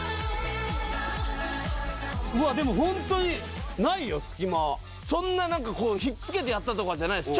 うわっでもホントにそんなひっつけてやったとかじゃないです